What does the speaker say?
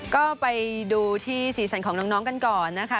ก็ไปดูที่สีสันของน้องกันก่อนนะคะ